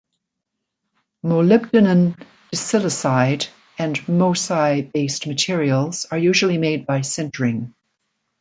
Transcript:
Molybdenum disilicide and MoSi-based materials are usually made by sintering.